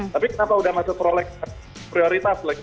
tapi kenapa sudah masuk proleks prioritas lagi gitu